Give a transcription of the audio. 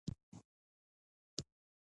د حقوقو په اړه خبرې اترې پای ته رسیږي.